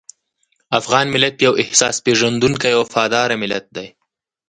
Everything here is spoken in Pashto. افغان ملت یو احسان پېژندونکی او وفاداره ملت دی.